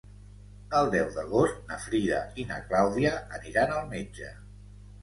El deu d'agost na Frida i na Clàudia aniran al metge.